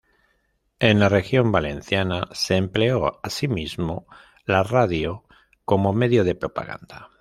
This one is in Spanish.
En la región valenciana se empleó asimismo la radio como medio de propaganda.